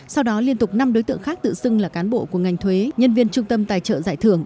sau đó liên tục năm đối tượng khác tự xưng là cán bộ của ngành thuế nhân viên trung tâm tài trợ giải thưởng